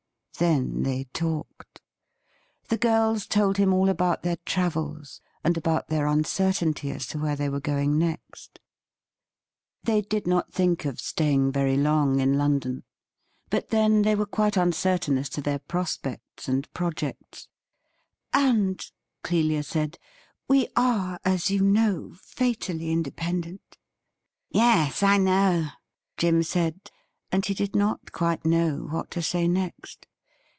Then they talked. The girls told him all about their travels and about their uncertainty as to where they were going next. They did not think of staying very long in London ; but, then, they were quite uncertain as to their prospects and projects, ' and,' Clelia said, ' we are, as you know, fatally independent.' 'Yes, I know,' Jim said, and he did not quite know what to say next.